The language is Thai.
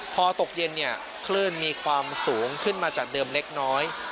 พอตกเย็นเนี่ยคลื่นมีความสูงขึ้นมาจากเดิมเล็กน้อย